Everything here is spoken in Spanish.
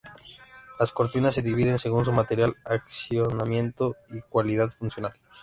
Las cortinas se dividen según su material, accionamiento y cualidad funcional.